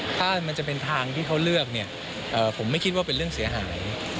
ถ้ามันจะเป็นทางที่เขาเลือกเนี่ยผมไม่คิดว่าเป็นเรื่องเสียหาย